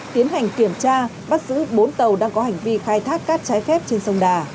tiến hành kiểm tra bắt giữ bốn tàu đang có hành vi khai thác cát trái phép trên sông đà